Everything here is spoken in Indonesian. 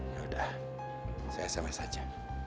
yaudah saya sampe saja